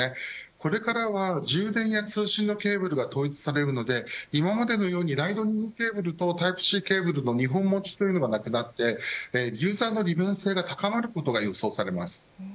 これからは、充電や通信のケーブルが統一されるので今までのようにライトニングケーブルとタイプＣケーブルの２本持ちというのがなくなってユーザーの利便性が高まることが予想されます。